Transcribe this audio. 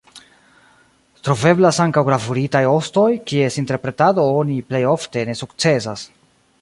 Troveblas ankaŭ gravuritaj ostoj, kies interpretado oni plej ofte ne sukcesas.